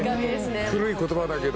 古い言葉だけど。